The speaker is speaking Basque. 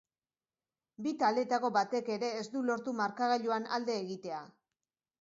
Bi taldeetako batek ere ez du lortu markagailuan alde egitea.